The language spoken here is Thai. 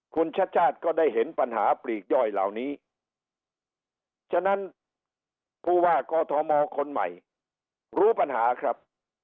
คุณชัดชาติก็ได้เห็นปัญหาปลีกย่อยเหล่านี้ฉะนั้นผู้ว่ากอทมคนใหม่รู้ปัญหาครับ